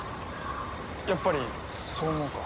やっぱりそう思うか？